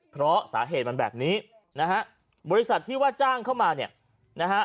เพราะสาเหตุมันแบบนี้นะฮะบริษัทที่ว่าจ้างเข้ามาเนี่ยนะฮะ